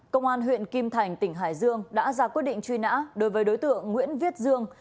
công an huyện kim thành tỉnh hải dương đã ra quyết định truy nã đối với đối tượng nguyễn viết dương